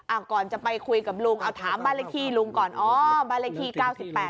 อ่ะก่อนจะไปคุยกับลุงเอาถามบาลัยที่ลุงก่อนอ๋อบาลัยที่๙๘ทับ๑